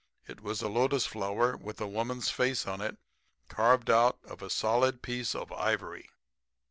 It was a lotus flower with a woman's face in it carved out of a solid piece of ivory.